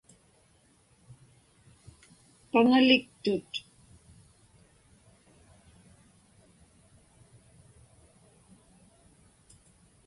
Paŋaliktut.